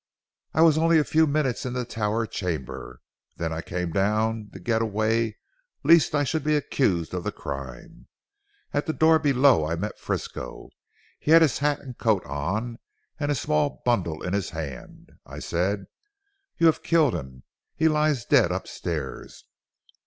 "I was only a few minutes in the tower chamber. Then I came down to get away lest I should be accused of the crime. At the door below I met Frisco. He had his hat and coat on, and a small bundle in his hand. I said, 'You have killed him. He lies dead upstairs.'